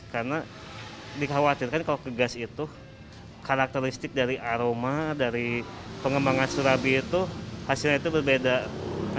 karena dikhawatirkan kalau ke gas itu karakteristik dari aroma dari pengembangan surabi itu hasilnya itu berbeda